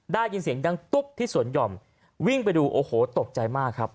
ได้ยินเสียงดังตุ๊บที่สวนหย่อมวิ่งไปดูโอ้โหตกใจมากครับ